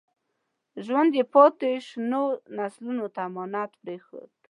ژوند یې پاتې شونو نسلونو ته امانت پرېښود.